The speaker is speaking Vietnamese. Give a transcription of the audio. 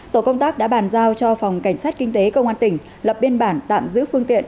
tổ công tác đã bàn giao cho phòng cảnh sát kinh tế công an tỉnh lập biên bản tạm giữ phương tiện